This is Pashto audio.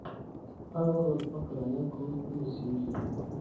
هغه به په کرایه کور کې اوسیږي.